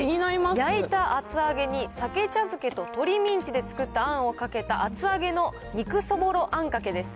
焼いた厚揚げにさけ茶漬けと鶏ミンチで作ったあんをかけた厚揚げの肉そぼろあんかけです。